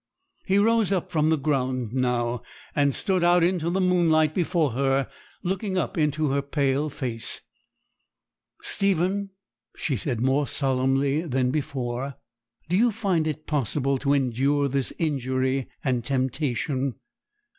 He rose up from the ground now, and stood out into the moonlight before her, looking up into her pale face. 'Stephen,' she said, more solemnly than before, 'do you find it possible to endure this injury and temptation?'